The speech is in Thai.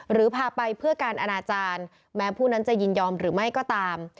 หรือพาไปเพื่อการอนาจารย์แม้ผู้นั้นจะยินยอมหรือไม่ก็ตาม